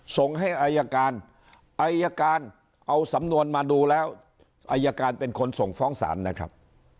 ส่งให้อายการอายการเอาสำนวนมาดูแล้วอายการเป็นคนส่งฟ้องศาลนะครับ